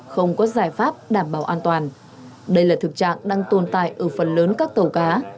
không có giải pháp đảm bảo an toàn đây là thực trạng đang tồn tại ở phần lớn các tàu cá